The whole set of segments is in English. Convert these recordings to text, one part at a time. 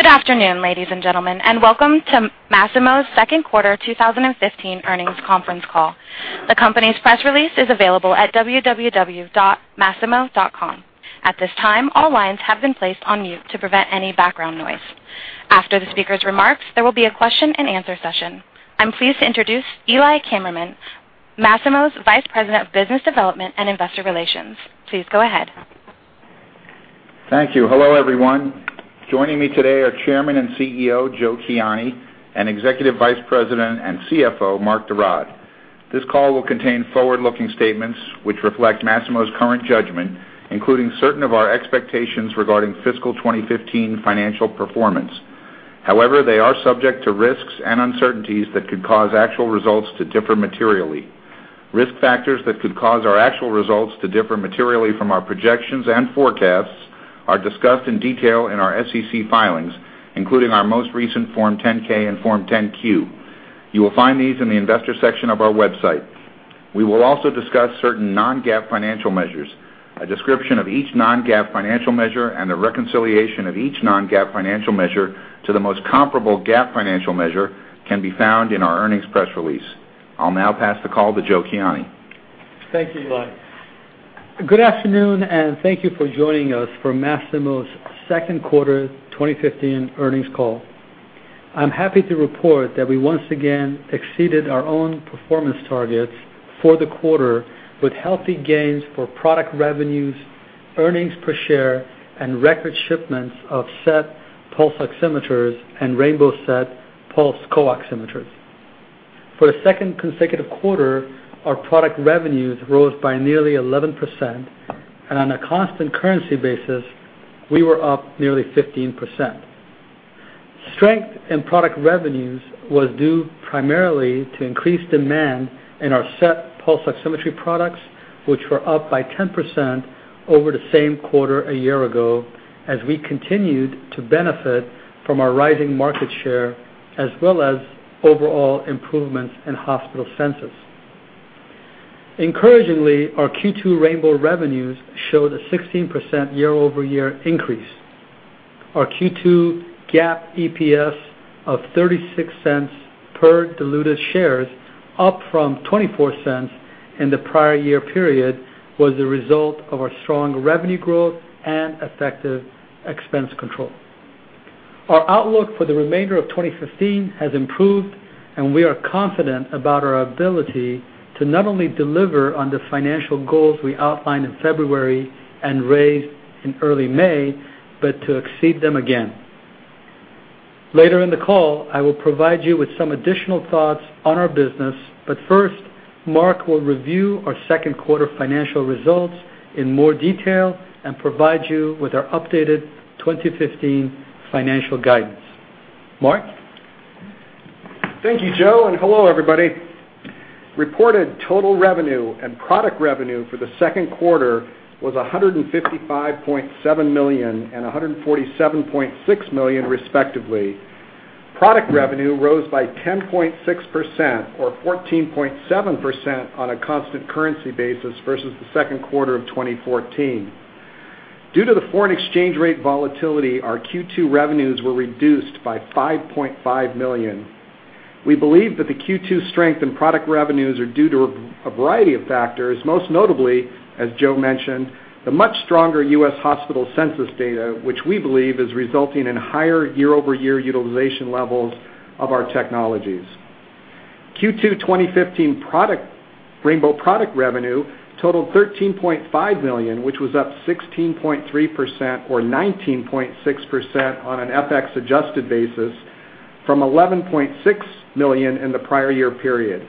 Good afternoon, ladies and gentlemen, and welcome to Masimo's second quarter 2015 earnings conference call. The company's press release is available at www.masimo.com. At this time, all lines have been placed on mute to prevent any background noise. After the speaker's remarks, there will be a question and answer session. I'm pleased to introduce Eli Kammerman, Masimo's Vice President of Business Development and Investor Relations. Please go ahead. Thank you. Hello, everyone. Joining me today are Chairman and CEO, Joe Kiani, and Executive Vice President and CFO, Mark de Raad. This call will contain forward-looking statements which reflect Masimo's current judgment, including certain of our expectations regarding fiscal 2015 financial performance. However, they are subject to risks and uncertainties that could cause actual results to differ materially. Risk factors that could cause our actual results to differ materially from our projections and forecasts are discussed in detail in our SEC filings, including our most recent Form 10-K and Form 10-Q. You will find these in the investors section of our website. We will also discuss certain non-GAAP financial measures. A description of each non-GAAP financial measure and a reconciliation of each non-GAAP financial measure to the most comparable GAAP financial measure can be found in our earnings press release. I'll now pass the call to Joe Kiani. Thank you, Eli. Good afternoon, and thank you for joining us for Masimo's second quarter 2015 earnings call. I'm happy to report that we once again exceeded our own performance targets for the quarter with healthy gains for product revenues, earnings per share, and record shipments of SET pulse oximeters and rainbow SET pulse co-oximeters. For the second consecutive quarter, our product revenues rose by nearly 11%, and on a constant currency basis, we were up nearly 15%. Strength in product revenues was due primarily to increased demand in our SET pulse oximetry products, which were up by 10% over the same quarter a year ago as we continued to benefit from our rising market share as well as overall improvements in hospital census. Encouragingly, our Q2 rainbow revenues showed a 16% year-over-year increase. Our Q2 GAAP EPS of $0.36 per diluted shares, up from $0.24 in the prior year period, was the result of our strong revenue growth and effective expense control. Our outlook for the remainder of 2015 has improved, and we are confident about our ability to not only deliver on the financial goals we outlined in February and raised in early May, but to exceed them again. Later in the call, I will provide you with some additional thoughts on our business, but first, Mark will review our second quarter financial results in more detail and provide you with our updated 2015 financial guidance. Mark? Thank you, Joe, and hello, everybody. Reported total revenue and product revenue for the second quarter was $155.7 million and $147.6 million, respectively. Product revenue rose by 10.6%, or 14.7% on a constant currency basis versus the second quarter of 2014. Due to the foreign exchange rate volatility, our Q2 revenues were reduced by $5.5 million. We believe that the Q2 strength in product revenues are due to a variety of factors, most notably, as Joe mentioned, the much stronger U.S. hospital census data, which we believe is resulting in higher year-over-year utilization levels of our technologies. Q2 2015 rainbow product revenue totaled $13.5 million, which was up 16.3%, or 19.6% on an FX adjusted basis from $11.6 million in the prior year period.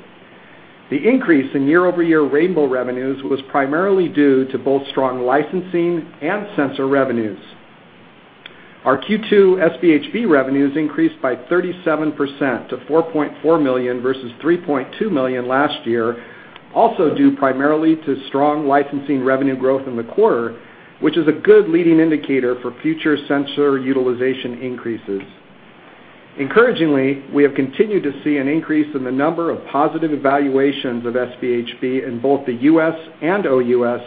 The increase in year-over-year rainbow revenues was primarily due to both strong licensing and sensor revenues. Our Q2 SpHb revenues increased by 37% to $4.4 million versus $3.2 million last year, also due primarily to strong licensing revenue growth in the quarter, which is a good leading indicator for future sensor utilization increases. Encouragingly, we have continued to see an increase in the number of positive evaluations of SpHb in both the U.S. and OUS,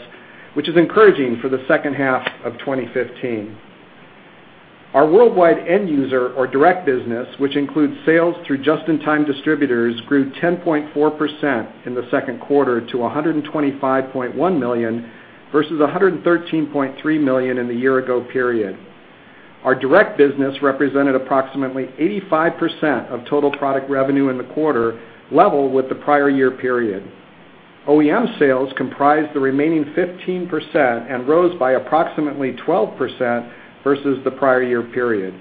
which is encouraging for the second half of 2015. Our worldwide end user or direct business, which includes sales through just-in-time distributors, grew 10.4% in the second quarter to $125.1 million versus $113.3 million in the year ago period. Our direct business represented approximately 85% of total product revenue in the quarter, level with the prior year period. OEM sales comprised the remaining 15% and rose by approximately 12% versus the prior year period.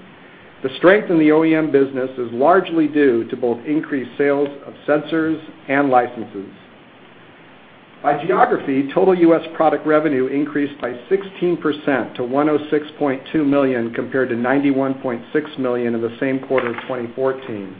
The strength in the OEM business is largely due to both increased sales of sensors and licenses. By geography, total U.S. product revenue increased by 16% to $106.2 million, compared to $91.6 million in the same quarter of 2014.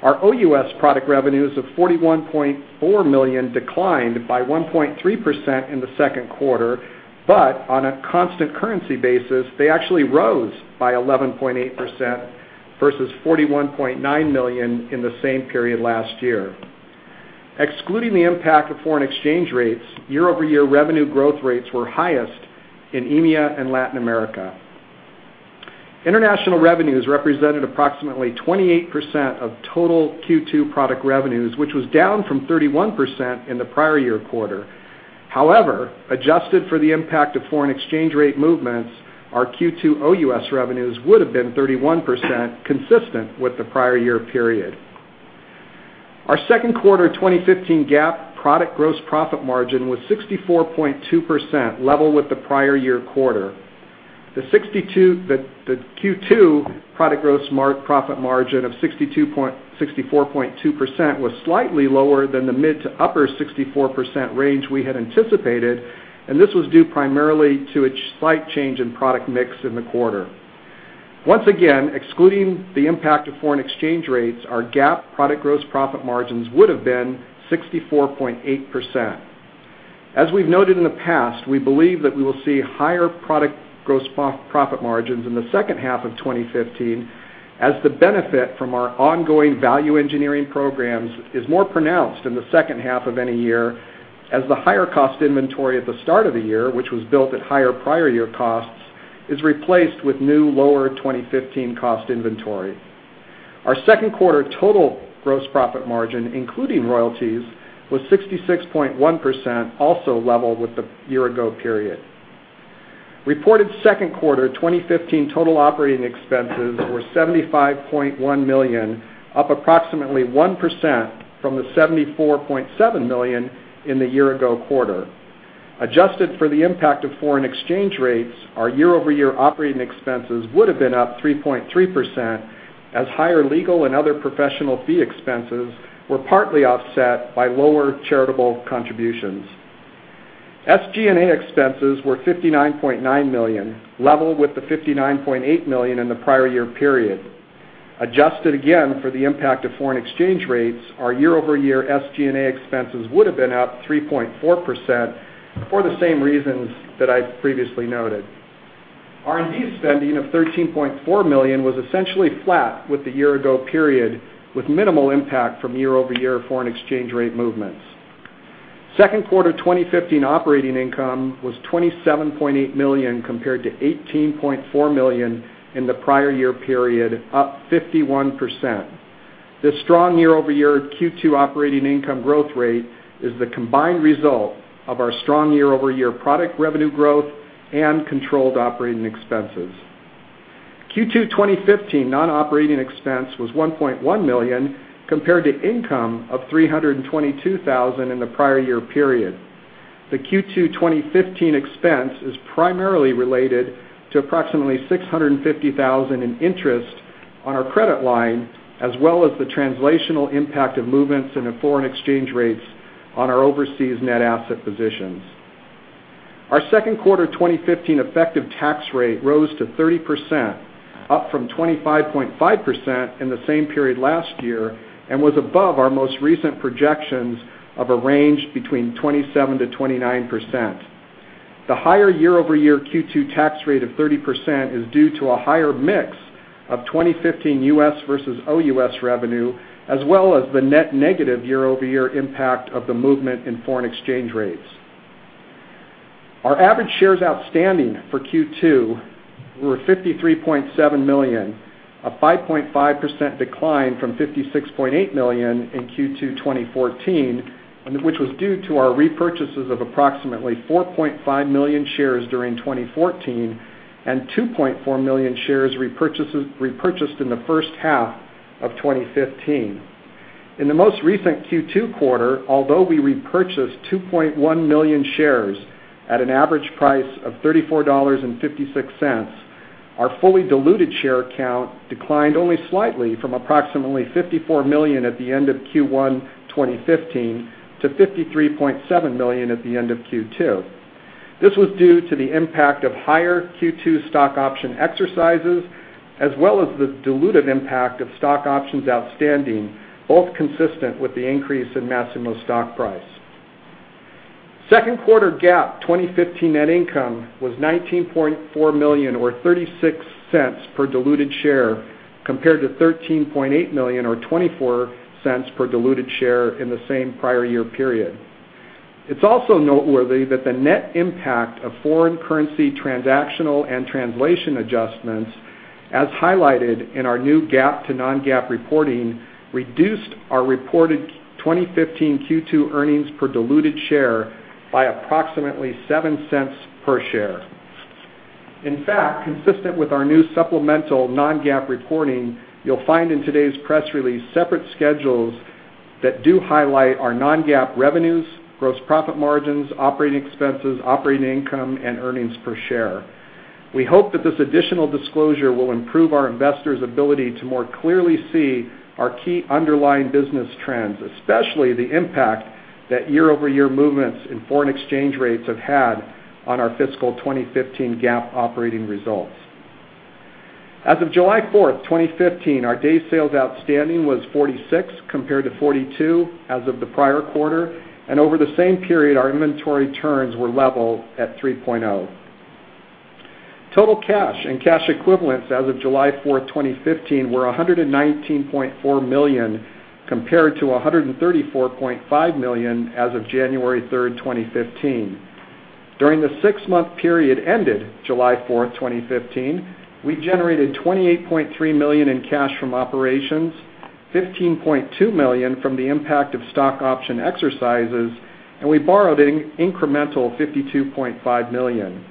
Our OUS product revenues of $41.4 million declined by 1.3% in the second quarter, but on a constant currency basis, they actually rose by 11.8% versus $41.9 million in the same period last year. Excluding the impact of foreign exchange rates, year-over-year revenue growth rates were highest in EMEA and Latin America. International revenues represented approximately 28% of total Q2 product revenues, which was down from 31% in the prior year quarter. Adjusted for the impact of foreign exchange rate movements, our Q2 OUS revenues would have been 31%, consistent with the prior year period. Our second quarter 2015 GAAP product gross profit margin was 64.2%, level with the prior year quarter. The Q2 product gross profit margin of 64.2% was slightly lower than the mid to upper 64% range we had anticipated. This was due primarily to a slight change in product mix in the quarter. Once again, excluding the impact of foreign exchange rates, our GAAP product gross profit margins would have been 64.8%. As we've noted in the past, we believe that we will see higher product gross profit margins in the second half of 2015 as the benefit from our ongoing value engineering programs is more pronounced in the second half of any year as the higher cost inventory at the start of the year, which was built at higher prior year costs, is replaced with new lower 2015 cost inventory. Our second quarter total gross profit margin, including royalties, was 66.1%, also level with the year ago period. Reported second quarter 2015 total operating expenses were $75.1 million, up approximately 1% from the $74.7 million in the year-ago quarter. Adjusted for the impact of foreign exchange rates, our year-over-year operating expenses would have been up 3.3% as higher legal and other professional fee expenses were partly offset by lower charitable contributions. SG&A expenses were $59.9 million, level with the $59.8 million in the prior year period. Adjusted again for the impact of foreign exchange rates, our year-over-year SG&A expenses would have been up 3.4%, for the same reasons that I previously noted. R&D spending of $13.4 million was essentially flat with the year-ago period, with minimal impact from year-over-year foreign exchange rate movements. Second quarter 2015 operating income was $27.8 million compared to $18.4 million in the prior year period, up 51%. This strong year-over-year Q2 operating income growth rate is the combined result of our strong year-over-year product revenue growth and controlled operating expenses. Q2 2015 non-operating expense was $1.1 million compared to income of $322,000 in the prior year period. The Q2 2015 expense is primarily related to approximately $650,000 in interest on our credit line, as well as the translational impact of movements in the foreign exchange rates on our overseas net asset positions. Our second quarter 2015 effective tax rate rose to 30%, up from 25.5% in the same period last year and was above our most recent projections of a range between 27%-29%. The higher year-over-year Q2 tax rate of 30% is due to a higher mix of 2015 U.S. versus OUS revenue, as well as the net negative year-over-year impact of the movement in foreign exchange rates. Our average shares outstanding for Q2 were 53.7 million, a 5.5% decline from 56.8 million in Q2 2014, which was due to our repurchases of approximately 4.5 million shares during 2014 and 2.4 million shares repurchased in the first half of 2015. In the most recent Q2 quarter, although we repurchased 2.1 million shares at an average price of $34.56, our fully diluted share count declined only slightly from approximately 54 million at the end of Q1 2015 to 53.7 million at the end of Q2. This was due to the impact of higher Q2 stock option exercises as well as the dilutive impact of stock options outstanding, both consistent with the increase in Masimo's stock price. Second quarter GAAP 2015 net income was $19.4 million or $0.36 per diluted share compared to $13.8 million or $0.24 per diluted share in the same prior year period. It's also noteworthy that the net impact of foreign currency transactional and translation adjustments, as highlighted in our new GAAP to non-GAAP reporting, reduced our reported 2015 Q2 earnings per diluted share by approximately $0.07 per share. In fact, consistent with our new supplemental non-GAAP reporting, you'll find in today's press release separate schedules that do highlight our non-GAAP revenues, gross profit margins, operating expenses, operating income and earnings per share. We hope that this additional disclosure will improve our investors' ability to more clearly see our key underlying business trends, especially the impact that year-over-year movements in foreign exchange rates have had on our fiscal 2015 GAAP operating results. As of July 4th, 2015, our day sales outstanding was 46 compared to 42 as of the prior quarter, and over the same period, our inventory turns were level at 3.0. Total cash and cash equivalents as of July 4th, 2015 were $119.4 million, compared to $134.5 million as of January 3rd, 2015. During the six-month period ended July 4th, 2015, we generated $28.3 million in cash from operations, $15.2 million from the impact of stock option exercises, and we borrowed an incremental $52.5 million.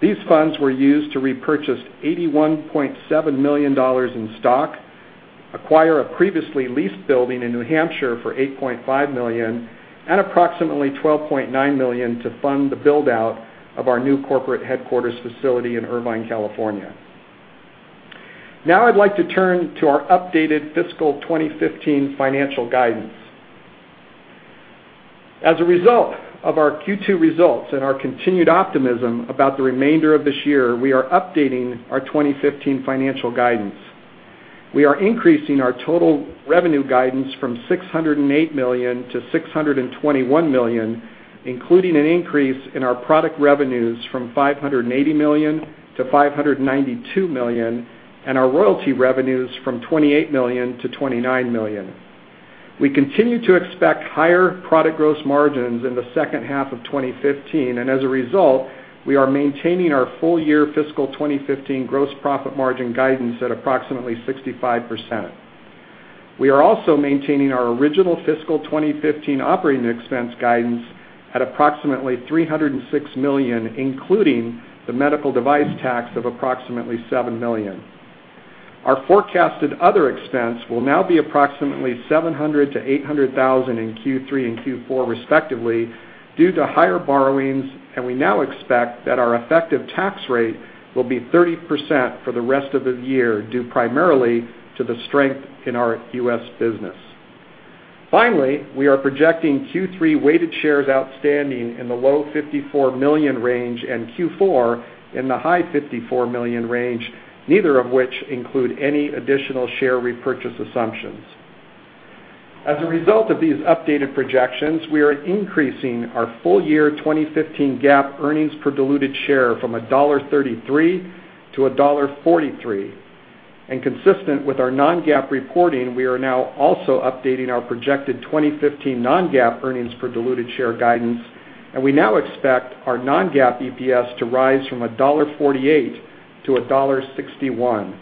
These funds were used to repurchase $81.7 million in stock, acquire a previously leased building in New Hampshire for $8.5 million, and approximately $12.9 million to fund the build-out of our new corporate headquarters facility in Irvine, California. Now I'd like to turn to our updated fiscal 2015 financial guidance. As a result of our Q2 results and our continued optimism about the remainder of this year, we are updating our 2015 financial guidance. We are increasing our total revenue guidance from $608 million-$621 million, including an increase in our product revenues from $580 million-$592 million, and our royalty revenues from $28 million-$29 million. We continue to expect higher product gross margins in the second half of 2015, and as a result, we are maintaining our full year fiscal 2015 gross profit margin guidance at approximately 65%. We are also maintaining our original fiscal 2015 operating expense guidance at approximately $306 million, including the medical device tax of approximately $7 million. Our forecasted other expense will now be approximately $700,000-$800,000 in Q3 and Q4 respectively due to higher borrowings, and we now expect that our effective tax rate will be 30% for the rest of the year, due primarily to the strength in our U.S. business. Finally, we are projecting Q3 weighted shares outstanding in the low 54 million range in Q4, in the high 54 million range, neither of which include any additional share repurchase assumptions. As a result of these updated projections, we are increasing our full year 2015 GAAP earnings per diluted share from $1.33-$1.43. Consistent with our non-GAAP reporting, we are now also updating our projected 2015 non-GAAP earnings per diluted share guidance, and we now expect our non-GAAP EPS to rise from $1.48-$1.61.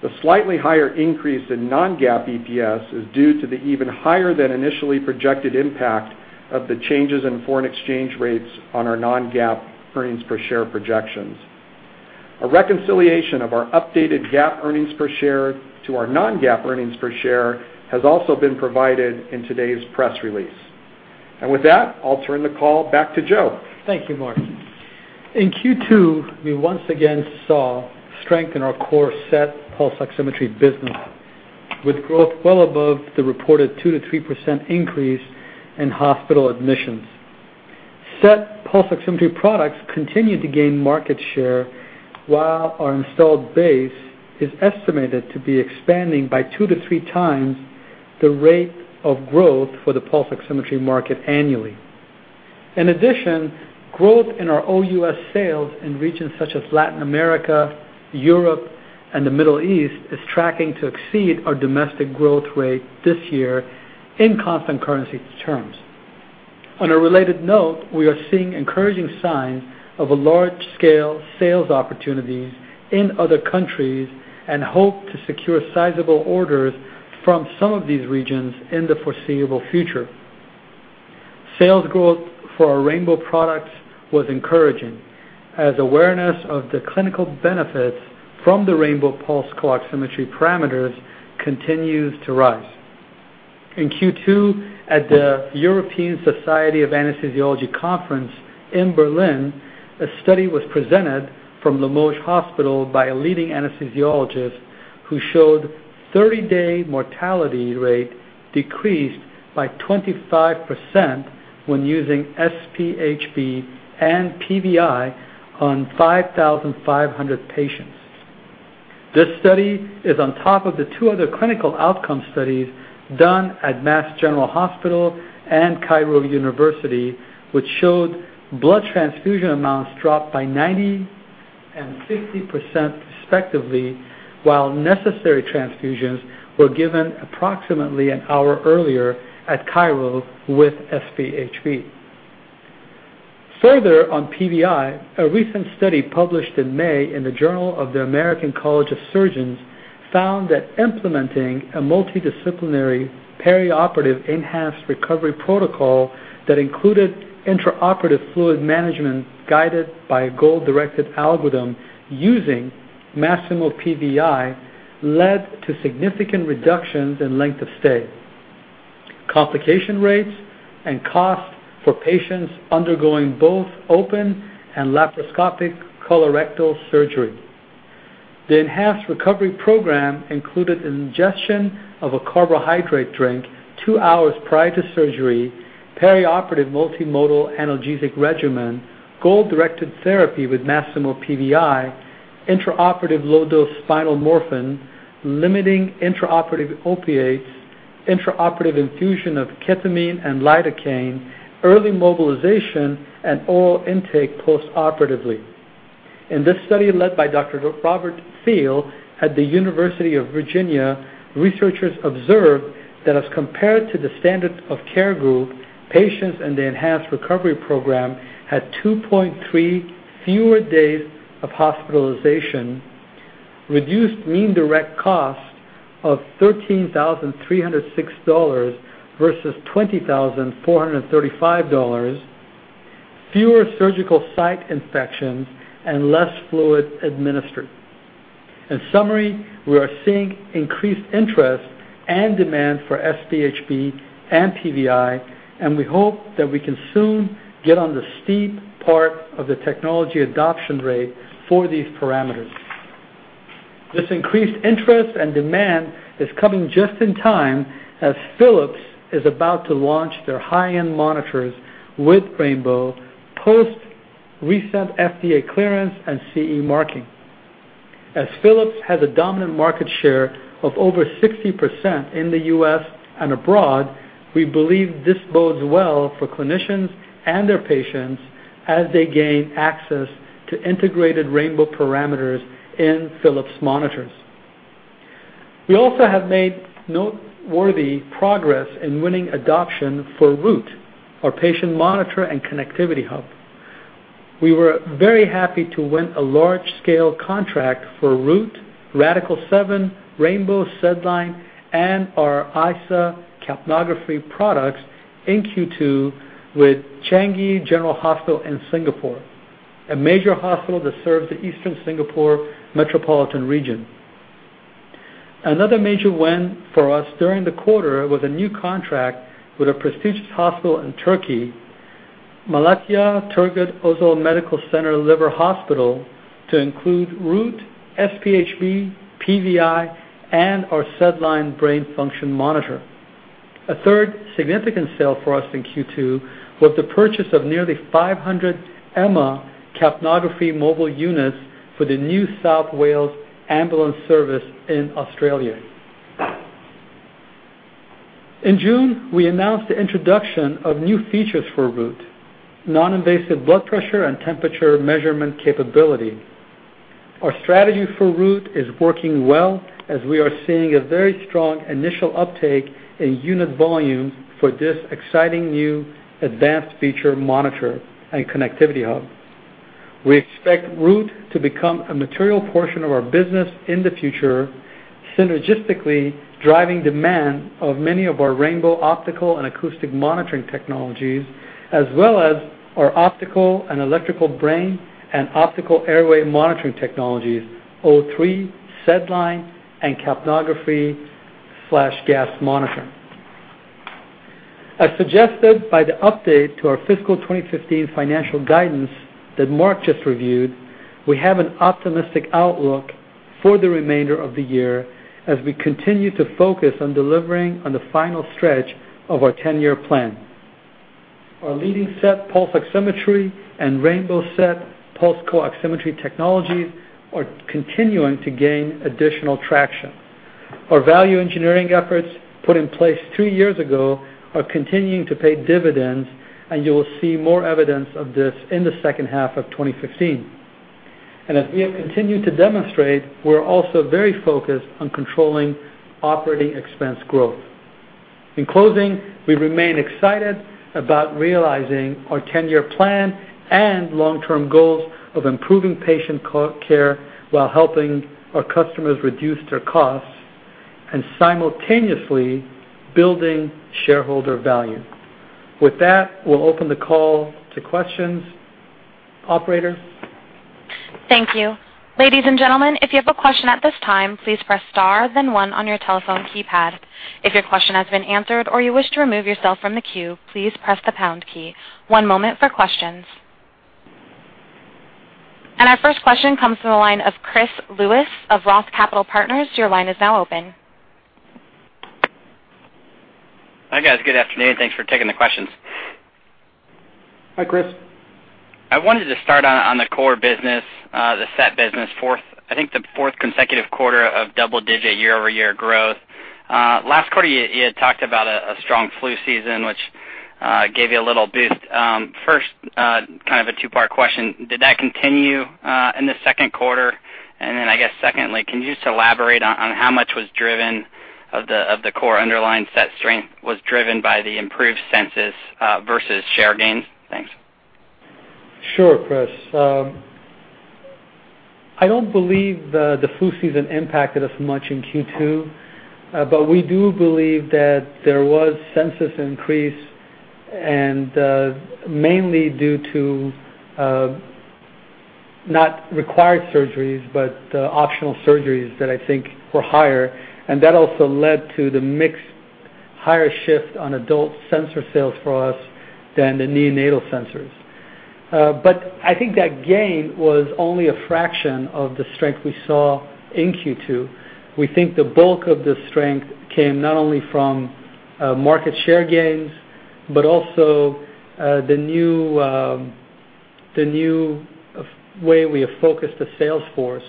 The slightly higher increase in non-GAAP EPS is due to the even higher than initially projected impact of the changes in foreign exchange rates on our non-GAAP earnings per share projections. A reconciliation of our updated GAAP earnings per share to our non-GAAP earnings per share has also been provided in today's press release. With that, I'll turn the call back to Joe. Thank you, Mark. In Q2, we once again saw strength in our core SET pulse oximetry business, with growth well above the reported 2%-3% increase in hospital admissions. SET pulse oximetry products continued to gain market share while our installed base is estimated to be expanding by two to three times the rate of growth for the pulse oximetry market annually. In addition, growth in our OUS sales in regions such as Latin America, Europe, and the Middle East is tracking to exceed our domestic growth rate this year in constant currency terms. On a related note, we are seeing encouraging signs of a large-scale sales opportunities in other countries and hope to secure sizable orders from some of these regions in the foreseeable future. Sales growth for our rainbow products was encouraging, as awareness of the clinical benefits from the rainbow pulse co-oximetry parameters continues to rise. In Q2, at the European Society of Anaesthesiology conference in Berlin, a study was presented from Limoges Hospital by a leading anesthesiologist, who showed 30-day mortality rate decreased by 25% when using SpHb and PVi on 5,500 patients. This study is on top of the two other clinical outcome studies done at Massachusetts General Hospital and Cairo University, which showed blood transfusion amounts dropped by 90% and 60% respectively, while necessary transfusions were given approximately an hour earlier at Cairo with SpHb. Further on PVi, a recent study published in May in the Journal of the American College of Surgeons found that implementing a multidisciplinary perioperative enhanced recovery protocol that included intraoperative fluid management guided by a goal-directed algorithm using Masimo PVi led to significant reductions in length of stay, complication rates, and cost for patients undergoing both open and laparoscopic colorectal surgery. The enhanced recovery program included ingestion of a carbohydrate drink two hours prior to surgery, perioperative multimodal analgesic regimen, goal-directed therapy with Masimo PVi, intraoperative low-dose spinal morphine, limiting intraoperative opiates intraoperative infusion of ketamine and lidocaine, early mobilization, and oral intake postoperatively. In this study led by Dr. Robert H. Thiele at the University of Virginia, researchers observed that as compared to the standard of care group, patients in the enhanced recovery program had 2.3 fewer days of hospitalization, reduced mean direct cost of $13,306 versus $20,435, fewer surgical site infections, and less fluid administered. In summary, we are seeing increased interest and demand for SpHb and PVi. We hope that we can soon get on the steep part of the technology adoption rate for these parameters. This increased interest and demand is coming just in time, as Philips is about to launch their high-end monitors with rainbow post recent FDA clearance and CE marking. Philips has a dominant market share of over 60% in the U.S. and abroad. We believe this bodes well for clinicians and their patients as they gain access to integrated rainbow parameters in Philips monitors. We also have made noteworthy progress in winning adoption for Root, our patient monitor and connectivity hub. We were very happy to win a large-scale contract for Root, Radical-7, rainbow, SedLine, and our ISA capnography products in Q2 with Changi General Hospital in Singapore, a major hospital that serves the eastern Singapore metropolitan region. Another major win for us during the quarter was a new contract with a prestigious hospital in Turkey, Malatya Turgut Özal Medical Center Liver Hospital, to include Root, SpHb, PVi, and our SedLine brain function monitor. A third significant sale for us in Q2 was the purchase of nearly 500 EMMA capnography mobile units for the New South Wales Ambulance Service in Australia. In June, we announced the introduction of new features for Root, non-invasive blood pressure and temperature measurement capability. Our strategy for Root is working well, as we are seeing a very strong initial uptake in unit volumes for this exciting new advanced feature monitor and connectivity hub. We expect Root to become a material portion of our business in the future, synergistically driving demand of many of our rainbow optical and acoustic monitoring technologies, as well as our optical and electrical brain and optical airway monitoring technologies, O3, SedLine, and capnography/gas monitoring. As suggested by the update to our fiscal 2015 financial guidance that Mark just reviewed, we have an optimistic outlook for the remainder of the year as we continue to focus on delivering on the final stretch of our 10-year plan. Our leading SET pulse oximetry and rainbow SET Pulse CO-Oximetry technologies are continuing to gain additional traction. Our value engineering efforts put in place three years ago are continuing to pay dividends, and you will see more evidence of this in the second half of 2015. As we have continued to demonstrate, we're also very focused on controlling operating expense growth. In closing, we remain excited about realizing our 10-year plan and long-term goals of improving patient care while helping our customers reduce their costs and simultaneously building shareholder value. With that, we'll open the call to questions. Operator? Thank you. Ladies and gentlemen, if you have a question at this time, please press star then one on your telephone keypad. If your question has been answered or you wish to remove yourself from the queue, please press the pound key. One moment for questions. Our first question comes from the line of Chris Lewis of Roth Capital Partners. Your line is now open. Hi, guys. Good afternoon. Thanks for taking the questions. Hi, Chris. I wanted to start on the core business, the SET business. I think the fourth consecutive quarter of double-digit year-over-year growth. Last quarter, you had talked about a strong flu season, which gave you a little boost. First, kind of a two-part question. Did that continue in the second quarter? Then I guess secondly, can you just elaborate on how much of the core underlying SET strength was driven by the improved census versus share gains? Thanks. Sure, Chris. I don't believe the flu season impacted us much in Q2, we do believe that there was census increase mainly due to not required surgeries, optional surgeries that I think were higher, that also led to the mix higher shift on adult sensor sales for us than the neonatal sensors. I think that gain was only a fraction of the strength we saw in Q2. We think the bulk of the strength came not only from market share gains, also the new way we have focused the sales force.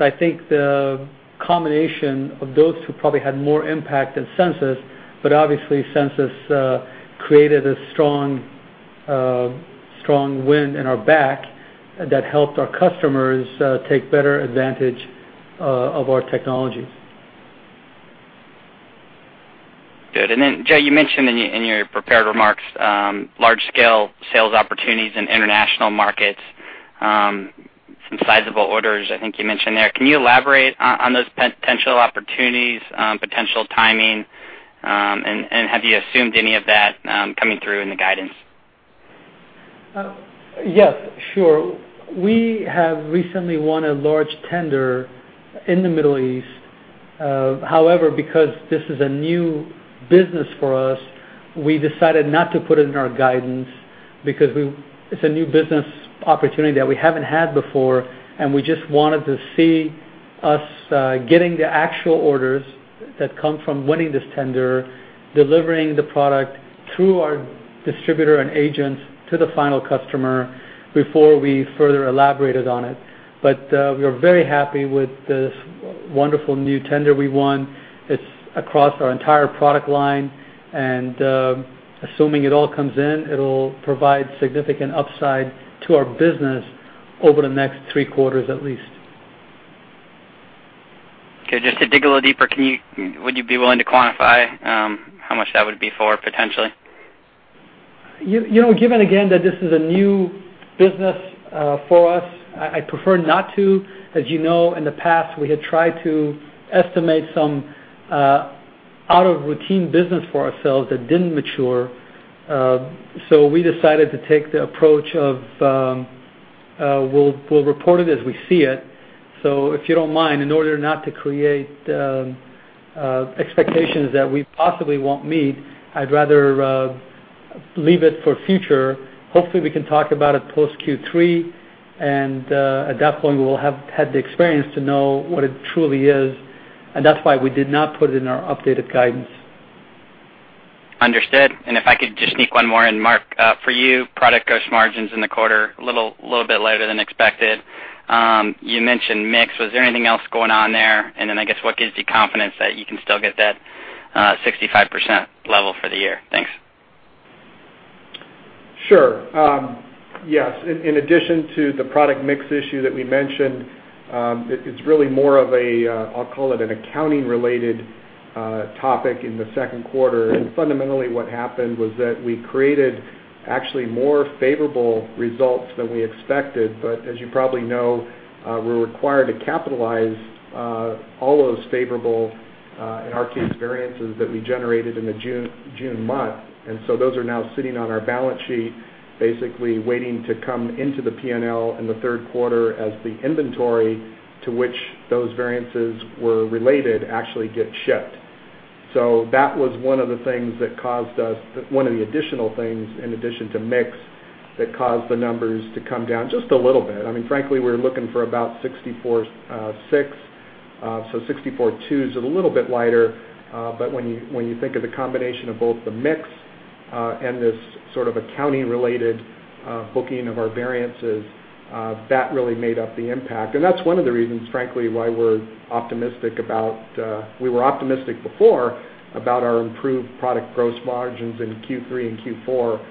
I think the combination of those two probably had more impact than Census, obviously Census created a strong wind in our back that helped our customers take better advantage of our technologies. Good. Joe, you mentioned in your prepared remarks, large scale sales opportunities in international markets, some sizable orders, I think you mentioned there. Can you elaborate on those potential opportunities, potential timing, and have you assumed any of that coming through in the guidance? Yes, sure. We have recently won a large tender in the Middle East. Because this is a new business for us, we decided not to put it in our guidance because it's a new business opportunity that we haven't had before, and we just wanted to see us getting the actual orders that come from winning this tender, delivering the product through our distributor and agents to the final customer before we further elaborated on it. We are very happy with this wonderful new tender we won. It's across our entire product line, and assuming it all comes in, it'll provide significant upside to our business over the next three quarters at least. Okay. Just to dig a little deeper, would you be willing to quantify how much that would be for potentially? Given again that this is a new business for us, I'd prefer not to. As you know, in the past, we had tried to estimate some out of routine business for ourselves that didn't mature. We decided to take the approach of, we'll report it as we see it. If you don't mind, in order not to create expectations that we possibly won't meet, I'd rather leave it for future. Hopefully, we can talk about it post Q3, and, at that point, we'll have had the experience to know what it truly is, and that's why we did not put it in our updated guidance. Understood. If I could just sneak one more in. Mark, for you, product gross margins in the quarter, a little bit lighter than expected. You mentioned mix. Was there anything else going on there? I guess what gives you confidence that you can still get that 65% level for the year? Thanks. Sure. Yes. In addition to the product mix issue that we mentioned, it's really more of a, I'll call it an accounting-related topic in the second quarter. Fundamentally what happened was that we created actually more favorable results than we expected. As you probably know, we're required to capitalize all those favorable, in our case, variances that we generated in the June month. Those are now sitting on our balance sheet, basically waiting to come into the P&L in the third quarter as the inventory to which those variances were related actually get shipped. That was one of the additional things in addition to mix that caused the numbers to come down just a little bit. Frankly, we were looking for about 64.6, so 64.2 is a little bit lighter. When you think of the combination of both the mix, and this sort of accounting related booking of our variances, that really made up the impact. That's one of the reasons, frankly, why we were optimistic before about our improved product gross margins in Q3 and Q4.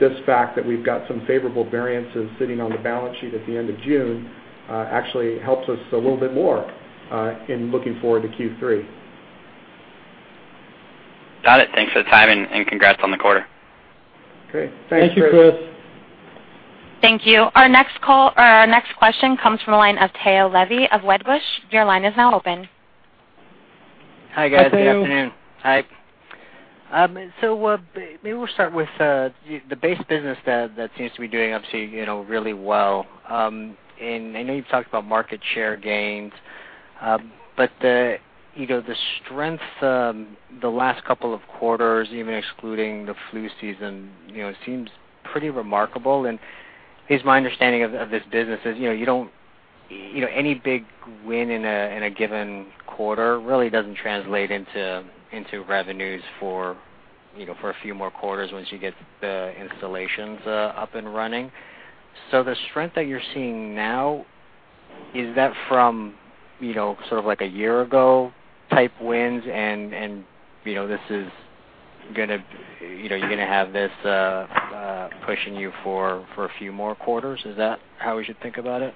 This fact that we've got some favorable variances sitting on the balance sheet at the end of June, actually helps us a little bit more, in looking forward to Q3. Got it. Thanks for the time and congrats on the quarter. Great. Thanks, Chris. Thank you, Chris. Thank you. Our next question comes from the line of Tao Levy of Wedbush. Your line is now open. Hi, guys. Good afternoon. Good afternoon. Hi. Maybe we'll start with the base business that seems to be doing obviously really well. I know you've talked about market share gains. The strength the last couple of quarters, even excluding the flu season, seems pretty remarkable. Here's my understanding of this business is, any big win in a given quarter really doesn't translate into revenues for a few more quarters once you get the installations up and running. The strength that you're seeing now, is that from sort of like a year ago type wins and you're going to have this pushing you for a few more quarters? Is that how we should think about it?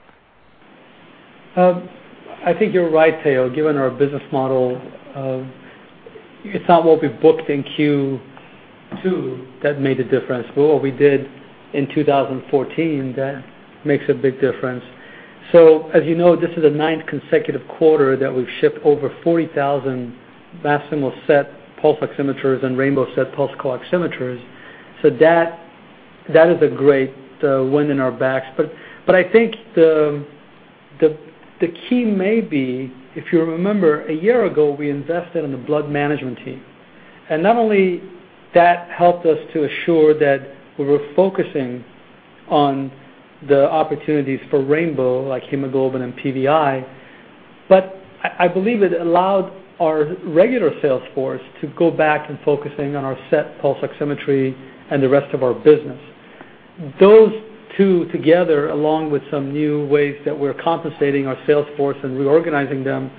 I think you're right, Tao. Given our business model, it's not what we booked in Q2 that made a difference, but what we did in 2014 that makes a big difference. As you know, this is the ninth consecutive quarter that we've shipped over 40,000 Masimo SET pulse oximeters and rainbow SET pulse CO-oximeters. That is a great win in our backs. I think the key may be, if you remember a year ago, we invested in the blood management team. Not only that helped us to assure that we were focusing on the opportunities for rainbow like hemoglobin and PVi. I believe it allowed our regular sales force to go back and focusing on our SET pulse oximetry and the rest of our business. Those two together, along with some new ways that we're compensating our sales force and reorganizing them,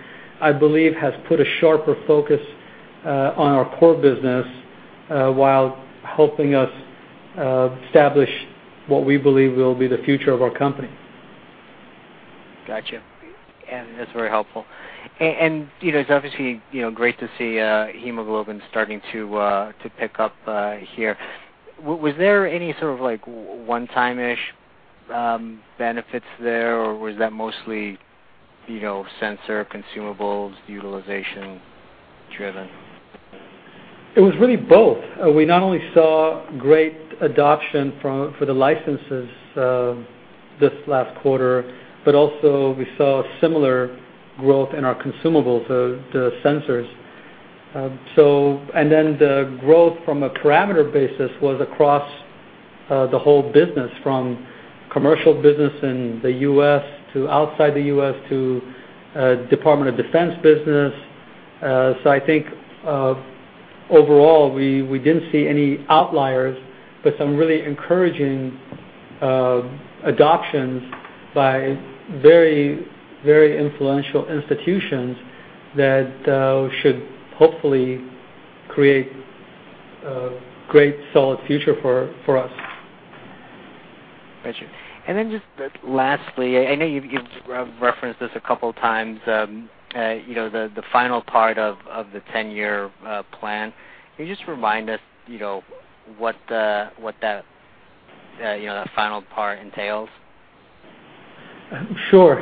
I believe has put a sharper focus on our core business, while helping us establish what we believe will be the future of our company. Got you. That's very helpful. It's obviously great to see hemoglobin starting to pick up here. Was there any sort of one-time-ish benefits there, or was that mostly sensor consumables utilization driven? It was really both. We not only saw great adoption for the licenses this last quarter, but also we saw similar growth in our consumables, the sensors. The growth from a parameter basis was across the whole business, from commercial business in the U.S. to outside the U.S. to Department of Defense business. I think, overall, we didn't see any outliers, but some really encouraging adoptions by very influential institutions that should hopefully create a great solid future for us. Got you. Just lastly, I know you've referenced this a couple of times, the final part of the 10-year plan. Can you just remind us what that final part entails? Sure.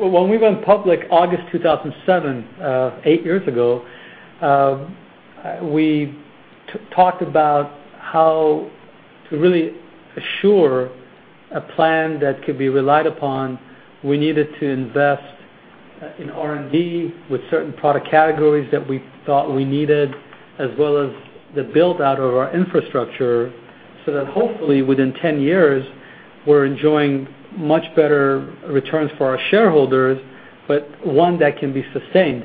When we went public August 2007, eight years ago, we talked about how to really assure a plan that could be relied upon. We needed to invest in R&D with certain product categories that we thought we needed, as well as the build-out of our infrastructure, so that hopefully within 10 years, we're enjoying much better returns for our shareholders, but one that can be sustained.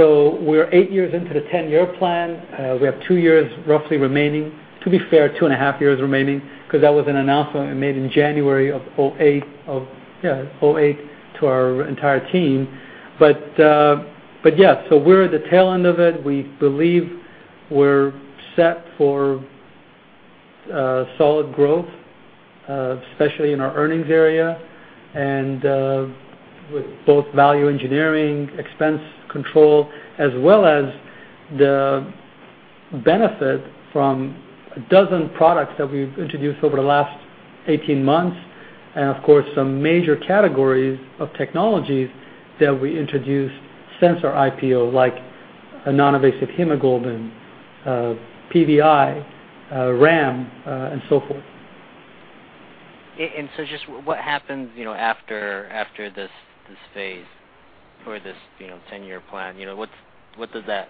We're eight years into the 10-year plan. We have two years roughly remaining. To be fair, two and a half years remaining, because that was an announcement made in January of 2008 to our entire team. Yeah, we're at the tail end of it. We believe we're set for solid growth, especially in our earnings area, and with both value engineering, expense control, as well as the benefit from a dozen products that we've introduced over the last 18 months. Of course, some major categories of technologies that we introduced since our IPO, like a non-invasive hemoglobin, PVi, RAM, and so forth. Just what happens after this phase for this 10-year plan, what does that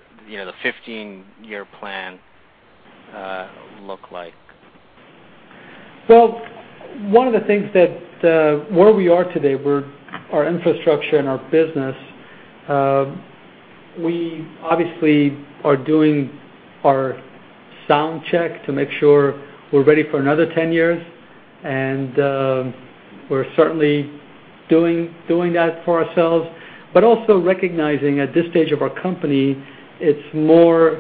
15-year plan look like? Well, one of the things that where we are today, our infrastructure and our business, we obviously are doing our sound check to make sure we're ready for another 10 years, and we're certainly doing that for ourselves. Also recognizing at this stage of our company, it's more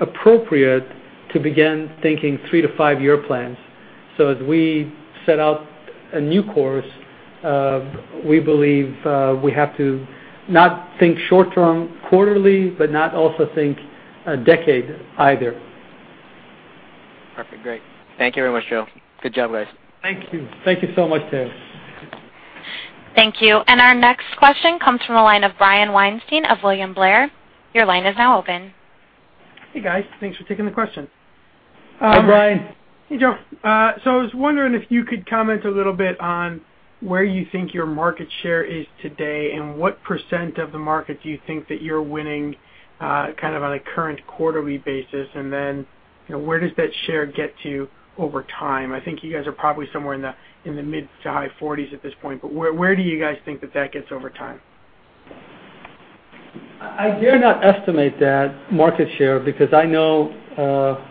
appropriate to begin thinking 3 to 5-year plans. As we set out a new course, we believe we have to not think short term quarterly, but not also think a decade either. Perfect. Great. Thank you very much, Joe. Good job, guys. Thank you. Thank you so much, Tao. Thank you. Our next question comes from the line of Brian Weinstein of William Blair. Your line is now open. Hey, guys. Thanks for taking the question. Hi, Brian. Hey, Joe. I was wondering if you could comment a little bit on where you think your market share is today and what % of the market do you think that you're winning kind of on a current quarterly basis, and then where does that share get to over time? I think you guys are probably somewhere in the mid to high 40s at this point, where do you guys think that that gets over time? I dare not estimate that market share because I know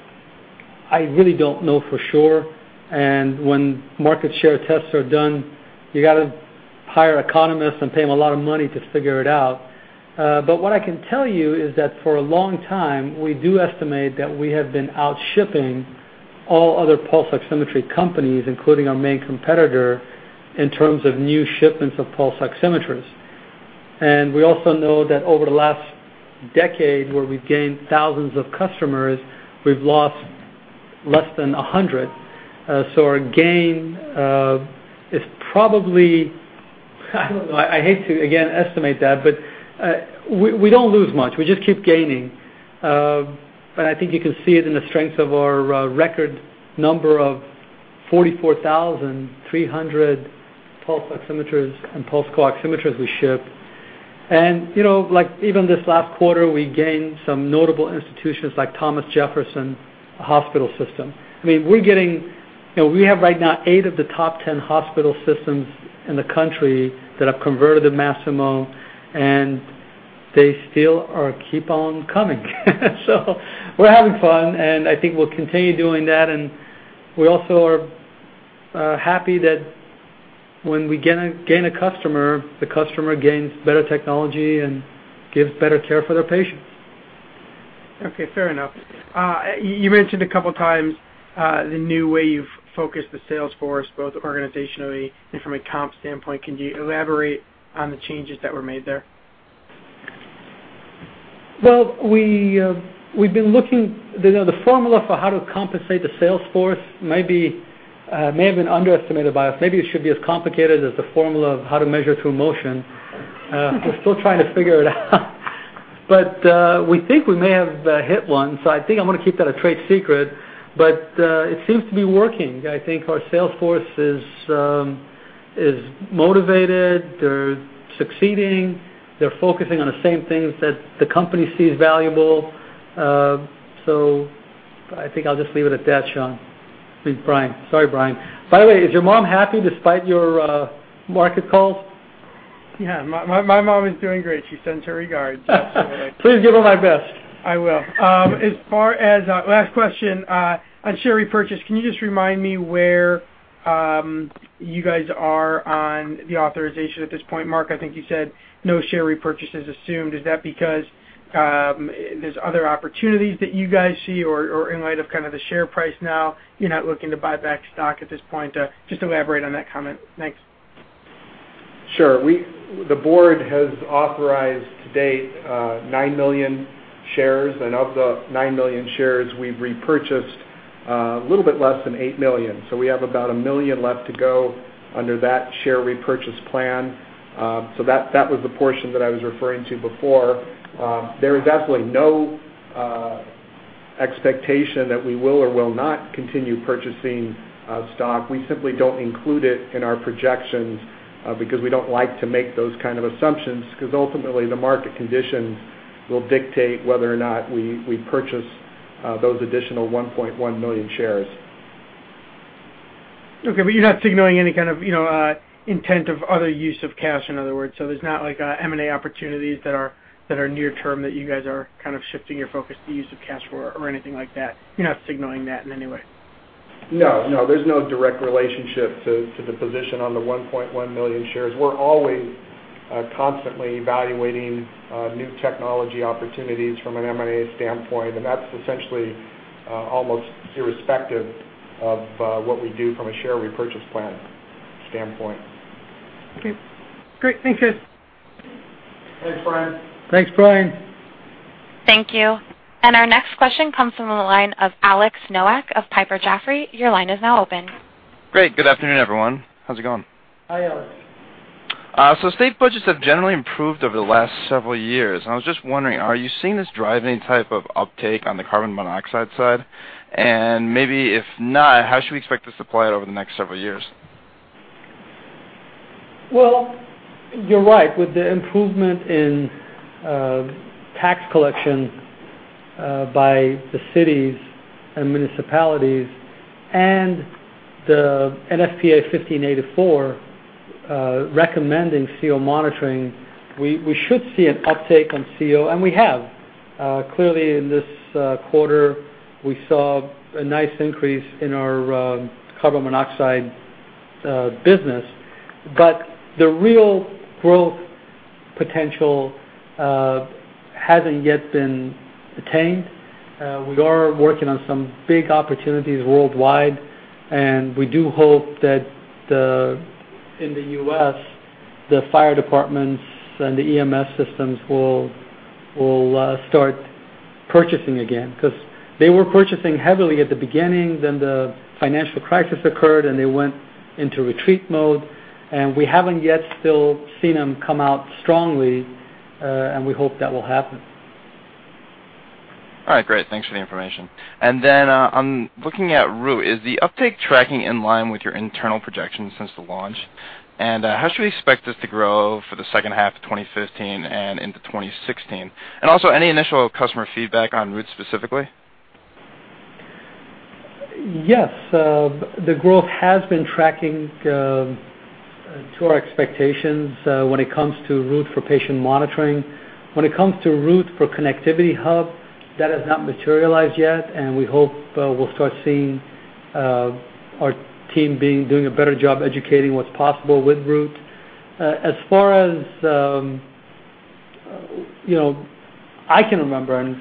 I really don't know for sure. When market share tests are done, you got to hire economists and pay them a lot of money to figure it out. What I can tell you is that for a long time, we do estimate that we have been out-shipping all other pulse oximetry companies, including our main competitor, in terms of new shipments of pulse oximeters. We also know that over the last decade where we've gained thousands of customers, we've lost less than 100. Our gain is probably, I don't know, I hate to, again, estimate that, we don't lose much. We just keep gaining. I think you can see it in the strength of our record number of 44,300 pulse oximeters and pulse co-oximeters we ship. Even this last quarter, we gained some notable institutions like Thomas Jefferson University Hospital. We have right now eight of the top 10 hospital systems in the country that have converted to Masimo, they still keep on coming. We're having fun, I think we'll continue doing that. We also are happy that when we gain a customer, the customer gains better technology and gives better care for their patients. Okay, fair enough. You mentioned a couple of times the new way you've focused the sales force, both organizationally and from a comp standpoint. Can you elaborate on the changes that were made there? Well, the formula for how to compensate the sales force may have been underestimated by us. Maybe it should be as complicated as the formula of how to measure true motion. We're still trying to figure it out. We think we may have hit one. I think I'm going to keep that a trade secret, but it seems to be working. I think our sales force is motivated. They're succeeding. They're focusing on the same things that the company sees valuable. I think I'll just leave it at that, Sean. Brian. Sorry, Brian. By the way, is your mom happy despite your market calls? Yeah, my mom is doing great. She sends her regards. Please give her my best. I will. Last question. On share repurchase, can you just remind me where you guys are on the authorization at this point? Mark, I think you said no share repurchase is assumed. Is that because there's other opportunities that you guys see or in light of the share price now, you're not looking to buy back stock at this point? Just elaborate on that comment. Thanks. Sure. The board has authorized to date 9 million shares, and of the 9 million shares, we've repurchased a little bit less than 8 million. We have about 1 million left to go under that share repurchase plan. That was the portion that I was referring to before. There is absolutely no expectation that we will or will not continue purchasing stock. We simply don't include it in our projections because we don't like to make those kind of assumptions, because ultimately the market conditions will dictate whether or not we purchase those additional 1.1 million shares. You're not signaling any kind of intent of other use of cash, in other words. There's not M&A opportunities that are near term that you guys are shifting your focus the use of cash for or anything like that. You're not signaling that in any way? No. There's no direct relationship to the position on the 1.1 million shares. We're always constantly evaluating new technology opportunities from an M&A standpoint, and that's essentially almost irrespective of what we do from a share repurchase plan standpoint. Okay. Great. Thanks, guys. Thanks, Brian. Thanks, Brian. Thank you. Our next question comes from the line of Alex Nowak of Piper Jaffray. Your line is now open. Great. Good afternoon, everyone. How's it going? Hi, Alex. State budgets have generally improved over the last several years, and I was just wondering, are you seeing this drive any type of uptake on the carbon monoxide side? Maybe if not, how should we expect the supply over the next several years? Well, you're right. With the improvement in tax collection by the cities and municipalities and the NFPA 1584 recommending CO monitoring, we should see an uptake on CO, and we have. Clearly in this quarter, we saw a nice increase in our carbon monoxide business, but the real growth potential hasn't yet been attained. We are working on some big opportunities worldwide, and we do hope that in the U.S., the fire departments and the EMS systems will start purchasing again, because they were purchasing heavily at the beginning, then the financial crisis occurred, and they went into retreat mode, and we haven't yet still seen them come out strongly, and we hope that will happen. All right, great. Thanks for the information. Then I'm looking at Root. Is the uptake tracking in line with your internal projections since the launch? How should we expect this to grow for the second half of 2015 and into 2016? Also, any initial customer feedback on Root specifically? Yes. The growth has been tracking to our expectations when it comes to Root for patient monitoring. When it comes to Root for connectivity hub, that has not materialized yet, and we hope we'll start seeing our team doing a better job educating what's possible with Root. As far as I can remember, and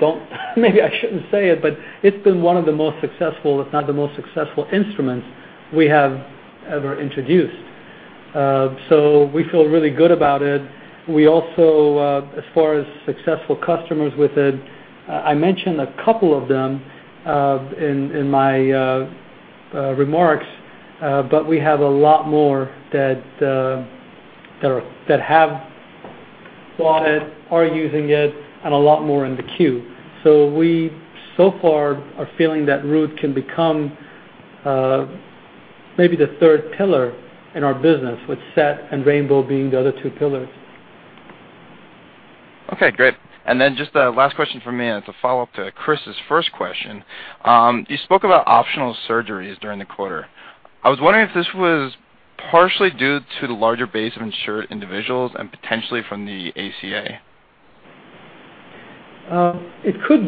maybe I shouldn't say it, but it's been one of the most successful, if not the most successful instrument we have ever introduced. We feel really good about it. We also, as far as successful customers with it, I mentioned a couple of them in my remarks, but we have a lot more that have bought it, are using it, and a lot more in the queue. We so far are feeling that Root can become Maybe the third pillar in our business, with SET and rainbow being the other two pillars. Okay, great. Just a last question from me, and it's a follow-up to Chris's first question. You spoke about optional surgeries during the quarter. I was wondering if this was partially due to the larger base of insured individuals and potentially from the ACA. It could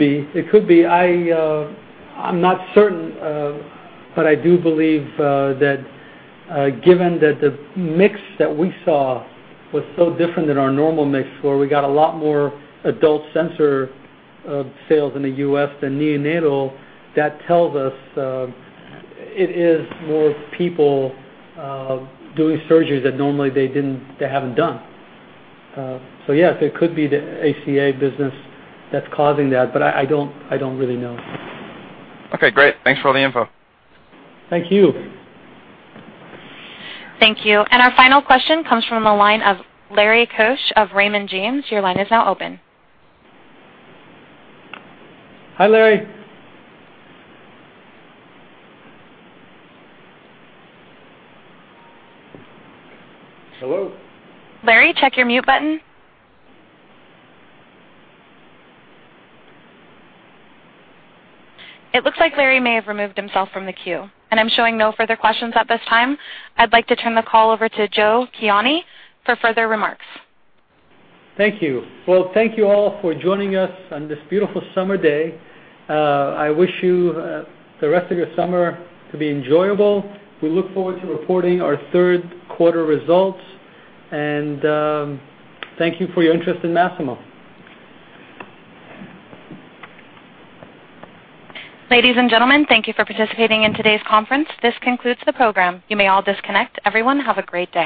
be. I'm not certain, but I do believe that given that the mix that we saw was so different than our normal mix, where we got a lot more adult sensor sales in the U.S. than neonatal, that tells us it is more people doing surgeries that normally they haven't done. Yes, it could be the ACA business that's causing that, but I don't really know. Okay, great. Thanks for all the info. Thank you. Thank you. Our final question comes from the line of Larry Keusch of Raymond James. Your line is now open. Hi, Larry. Hello? Larry, check your mute button. It looks like Larry may have removed himself from the queue, and I'm showing no further questions at this time. I'd like to turn the call over to Joe Kiani for further remarks. Thank you. Well, thank you all for joining us on this beautiful summer day. I wish you the rest of your summer to be enjoyable. We look forward to reporting our third-quarter results. Thank you for your interest in Masimo. Ladies and gentlemen, thank you for participating in today's conference. This concludes the program. You may all disconnect. Everyone, have a great day.